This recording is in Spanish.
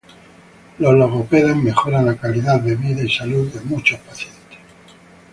Los logopedas mejoran la calidad de vida y salud de muchos pacientes .